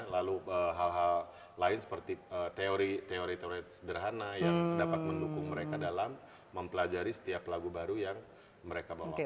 lalu hal hal lain seperti teori teori teori sederhana yang dapat mendukung mereka dalam mempelajari setiap lagu baru yang mereka bawa